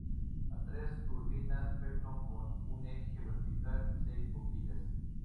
Hay tres turbinas Pelton con un eje vertical y seis boquillas.